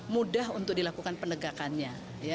mudah untuk dilakukan penegakannya